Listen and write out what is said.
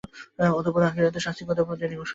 অতঃপর আখিরাতের শাস্তির কথাও তিনি ঘোষণা করেন।